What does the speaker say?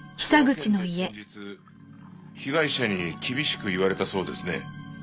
その件で先日被害者に厳しく言われたそうですね。